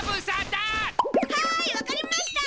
ハイわかりました！